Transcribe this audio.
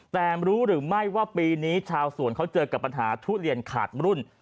แต่รู้หรือไม่ว่าปีนี้ชาวสวนเขาเจอกับปัญหาทุเรียนขาดรุ่น